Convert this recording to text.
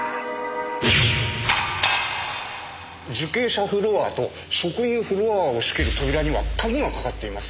受刑者フロアと職員フロアを仕切る扉には鍵がかかっています。